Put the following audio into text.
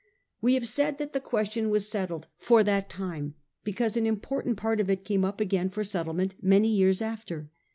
We have said that the question was settled, ' for that time' ; because an important part of it came up agam* for settlement many years after.